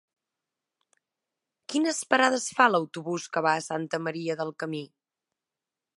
Quines parades fa l'autobús que va a Santa Maria del Camí?